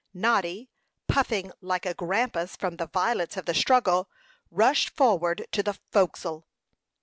Noddy, puffing like a grampus from the violence of the struggle, rushed forward to the forecastle.